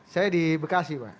saya di bekasi pak